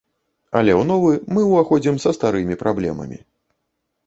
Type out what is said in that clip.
Але ў новы мы ўваходзім са старымі праблемамі.